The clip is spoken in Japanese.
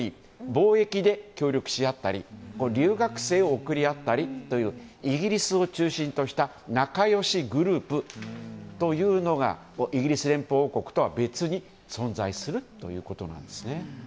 貿易で協力し合ったり留学生を送り合ったりというイギリスを中心とした仲良しグループというのがイギリス連邦王国とは別に存在するということなんですね。